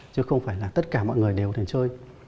chứ không phải là tất cả mọi người đều đến chơi